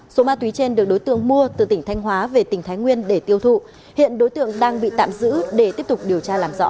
số ma túy trên được đối tượng mua từ tỉnh thanh hóa về tỉnh thái nguyên để tiêu thụ hiện đối tượng đang bị tạm giữ để tiếp tục điều tra làm rõ